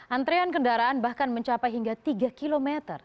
antrean kendaraan bahkan mencapai hingga tiga km